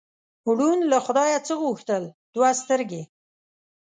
ړوند له خدایه څه غوښتل؟ دوه سترګې.